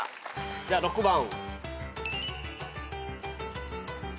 じゃあ６番。